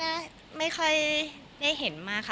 ไม่นะไม่เคยได้เห็นมาก